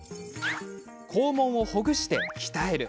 肛門をほぐして、鍛える。